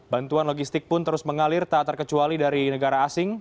bantuan logistik pun terus mengalir tak terkecuali dari negara asing